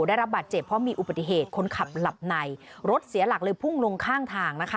ได้รับบาดเจ็บเพราะมีอุบัติเหตุคนขับหลับในรถเสียหลักเลยพุ่งลงข้างทางนะคะ